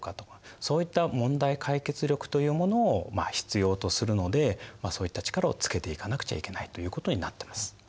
そういった問題解決力というものを必要とするのでそういった力をつけていかなくちゃいけないということになってます。